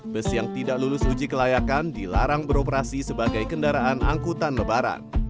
bus yang tidak lulus uji kelayakan dilarang beroperasi sebagai kendaraan angkutan lebaran